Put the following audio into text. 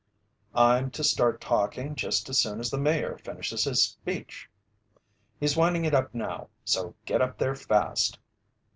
"I'm to start talking just as soon as the Mayor finishes his speech." "He's winding it up now. So get up there fast."